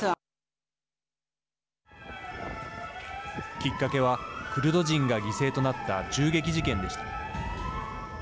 きっかけはクルド人が犠牲となった銃撃事件でした。